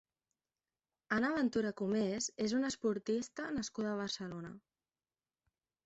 Anna Ventura Comes és una esportista nascuda a Barcelona.